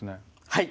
はい。